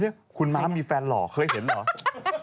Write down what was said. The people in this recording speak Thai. เดี๋ยวคุณมาร์มมีแฟนหล่อเคยเห็นเหรอ